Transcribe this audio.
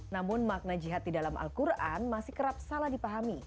namun makna jihad di dalam al quran masih kerap salah dipahami